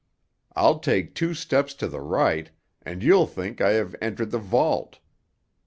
I'll take two steps to the right, and you'll think I have entered the vault.